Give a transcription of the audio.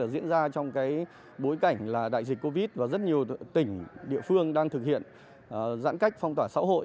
diễn ra trong bối cảnh đại dịch covid một mươi chín và rất nhiều tỉnh địa phương đang thực hiện giãn cách phong tỏa xã hội